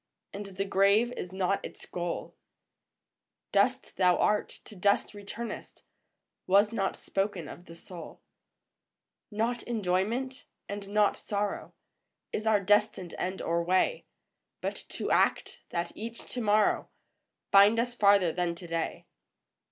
And the grave is not its goal ; Dust thou art, to dust returnest, Was not spoken of the soul. VOICES OF THE NIGHT. Not enjoyment, and not sorrow, Is our destined end or way ; But to act, that each to morrow Find us farther than to day.